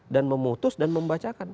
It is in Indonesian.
dan memutus dan membacakan